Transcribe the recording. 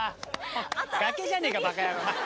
崖じゃねぇかバカ野郎。ははっ。